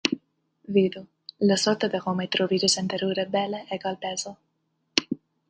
Vidu, la sorto de la homoj troviĝas en terure bela egalpezo.